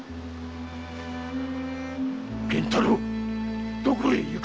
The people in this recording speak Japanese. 源太郎どこへ行く！